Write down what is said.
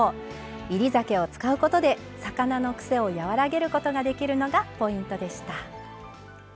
煎り酒を使うことで魚のくせを和らげることができるのがポイントでした。